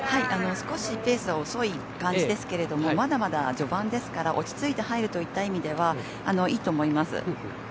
少しペースは遅い感じですけどまだまだ序盤ですから落ち着いて入るといった意味ではいいと思います。